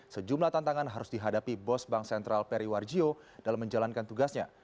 sejumlah tantangan harus dihadapi bos bank sentral periwarjio dalam menjalankan tugasnya